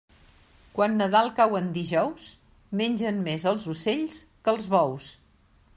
Quan Nadal cau en dijous, mengen més els ocells que els bous.